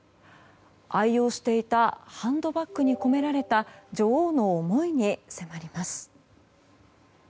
愛用していたハンドバッグに込められた女王の思いに迫ります。